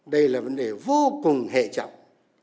đây là vấn đề vô cùng hệ trọng